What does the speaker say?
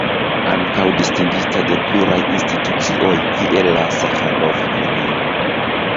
Ankaŭ distingita de pluraj institucioj kiel la Saĥarov-Premio.